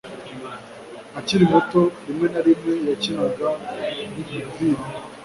Akiri muto rimwe na rimwe yakinaga umupira